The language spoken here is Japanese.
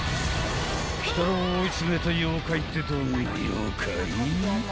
［鬼太郎を追い詰めた妖怪ってどんな妖怪？］